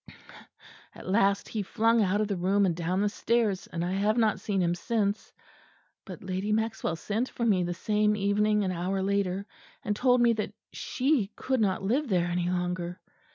At last he flung out of the room and down the stairs, and I have not seen him since. But Lady Maxwell sent for me the same evening an hour later; and told me that she could not live there any longer.